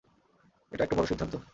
এটা একটা বড়ো সিদ্ধান্ত!